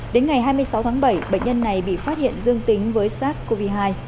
đến ngày hai mươi sáu tháng bảy bệnh nhân này bị phát hiện dương tính với sars cov hai